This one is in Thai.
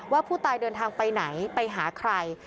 ว่าผู้ตายเดินทางไปไหนไปหาใคร